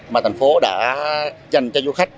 mà thành phố đã dành cho du khách